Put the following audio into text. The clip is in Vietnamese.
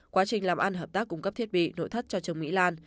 quá trình làm ăn hợp tác cung cấp thiết bị nội thất cho trương mỹ lan